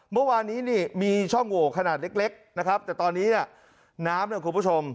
เมื่อวานี้มีช่องโหขนาดเล็กแต่ตอนนี้น้ำคุณผู้ชม